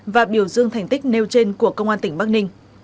và biểu dương thành tích nêu trên của công an tỉnh bắc ninh